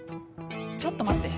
ちょっと待って。